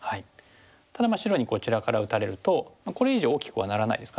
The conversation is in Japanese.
ただ白にこちらから打たれるとこれ以上大きくはならないですかね。